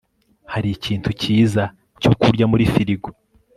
hari ikintu cyiza cyo kurya muri firigo